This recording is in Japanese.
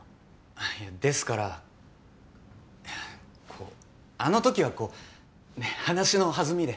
あいやですからこうあの時はこうね話の弾みで。